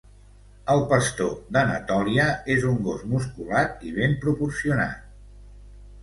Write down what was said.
El pastor d'Anatòlia és un gos musculat i ben proporcionat.